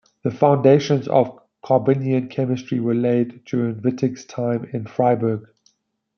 The foundations of carbanion chemistry were laid during Wittig's time in Freiburg.